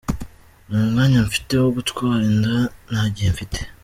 Nta mwanya mfite wo gutwara inda, nta gihe mfite.